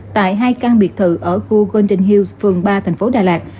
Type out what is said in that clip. tại hai căn biệt thự ở khu golden hills phường ba thành phố đà lạt